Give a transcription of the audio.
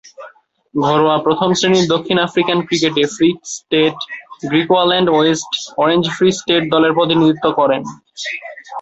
ঘরোয়া প্রথম-শ্রেণীর দক্ষিণ আফ্রিকান ক্রিকেটে Free State, Griqualand West, Orange Free State দলের প্রতিনিধিত্ব করেন।